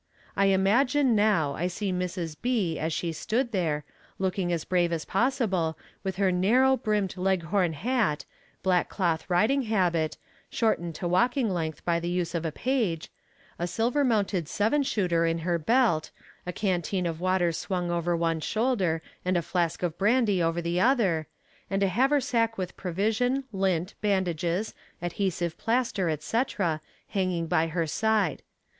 I imagine now, I see Mrs. B., as she stood there, looking as brave as possible, with her narrow brimmed leghorn hat, black cloth riding habit, shortened to walking length by the use of a page, a silver mounted seven shooter in her belt, a canteen of water swung over one shoulder and a flask of brandy over the other, and a haversack with provision, lint, bandages, adhesive plaster, etc. hanging by her side.